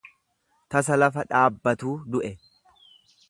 Tasa lafa dhaabbatuu du’e